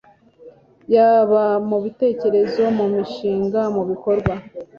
yaba mu bitekerezo mu mishinga mu bikorwa